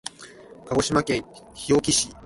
鹿児島県日置市